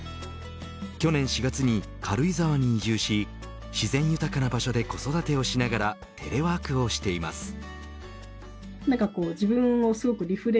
去年４月に軽井沢に移住し自然豊かな場所で子育てをしながらテレワークをしています。